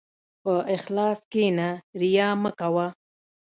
په اخلاص کښېنه، ریا مه کوه.